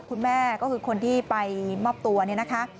คุณแม่ก็คือคนที่ไปมอบตัวเนี่ยนะคะ